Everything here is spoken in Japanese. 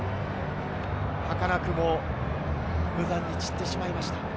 儚くも無残に散ってしまいました。